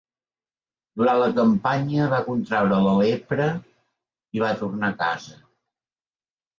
Durant la campanya va contraure la lepra i va tornar a casa.